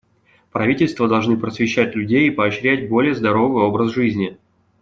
Правительства должны просвещать людей и поощрять более здоровый образ жизни.